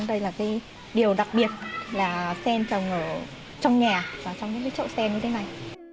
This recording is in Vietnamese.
thì điều đặc biệt là sen trồng ở trong nhà và trong những cái chỗ sen như thế này